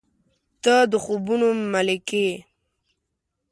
• ته د خوبونو ملکې یې.